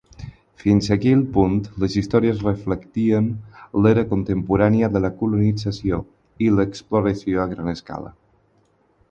Fins a aquell punt, les històries reflectien l'era contemporània de la colonització i l'exploració a gran escala.